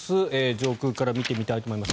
上空から見てみたいと思います。